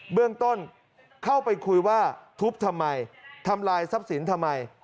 เบื้องต้นเข้าไปคุยว่าทุบทำไมทำลายทรัพย์สินทำไม